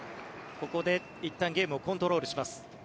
ここでいったんゲームをコントロールします。